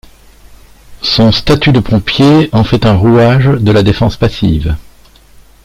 Son statut de pompier en fait un rouage de la défense passive.